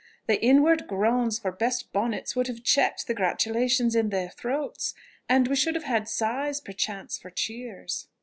The inward groans for best bonnets would have checked the gratulations in their throats, and we should have had sighs perchance for cheers."